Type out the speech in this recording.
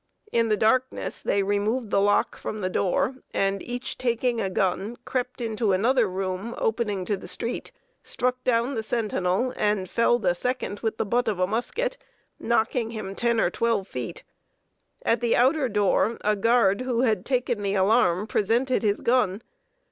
In the darkness they removed the lock from the door, and each taking a gun, crept into another room opening to the street; struck down the sentinel, and felled a second with the butt of a musket, knocking him ten or twelve feet. At the outer door, a guard, who had taken the alarm, presented his gun.